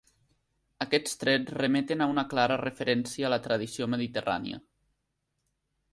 Aquests trets remeten a una clara referència a la tradició mediterrània.